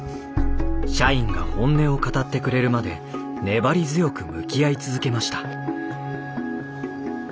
社員が本音を語ってくれるまで粘り強く向き合い続けました。